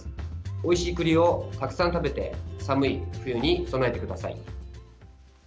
おいしい栗をたくさん食べて寒い冬に備えてください。